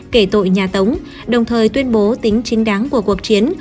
kể tội nhà tống đồng thời tuyên bố tính chính đáng của cuộc chiến